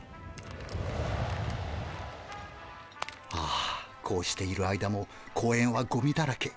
あこうしている間も公園はゴミだらけ。